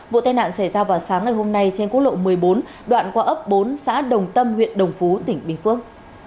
vụ tai nạn xảy ra vào sáng ngày hôm nay trên quốc lộ một mươi bốn đoạn qua ấp bốn xã đồng tâm huyện đồng phú tỉnh bình phước